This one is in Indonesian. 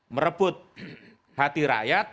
merebut hati rakyat